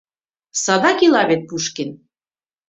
Садак ила вет Пушкин